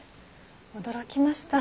驚きました。